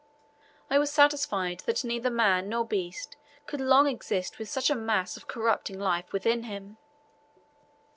I was satisfied that neither man nor beast could long exist with such a mass of corrupting life within him.